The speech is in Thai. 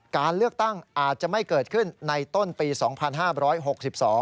การเลือกตั้งอาจจะไม่เกิดขึ้นในต้นปี๒๕๖๒